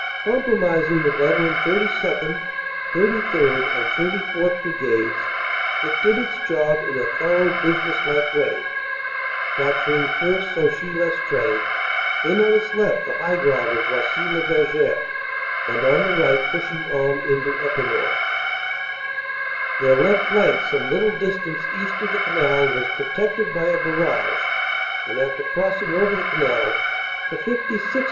Comprising the veteran 32nd., 33rd. and 34th. Brigades, it did its job in a thorough businesslike way, captur ing first Sauchy Lestree, then on its left the high ground of Oisy le Verger, and on the right pushing on into Epinoy. Their left flank some little distance east of the canal was pro tected by a barrage, and, after crossing over the canal, the 56th.